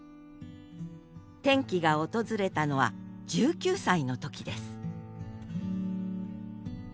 転機が訪れたのは１９歳の時です